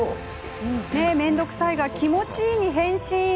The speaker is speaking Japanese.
面倒くさいが気持ちいいに変身。